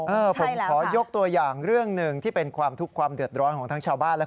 โอ้โฮใช่แล้วค่ะค่ะ